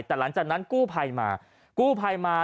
แต่หลังจากนั้นกู้ภัยมา